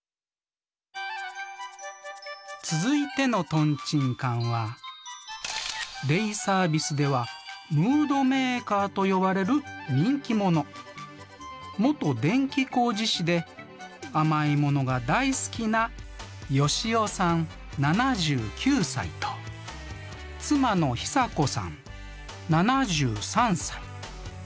続いてのトンチンカンはデイサービスではムードメーカーと呼ばれる人気者元電気工事士であまいものが大好きなヨシオさん７９歳と妻のヒサコさん７３歳。